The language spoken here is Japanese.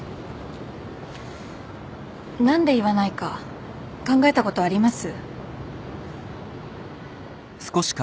何で言わないか考えたことあります？